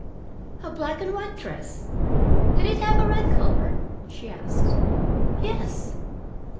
"A black and white dress! Did it have a red collar?" she asked. "Yes."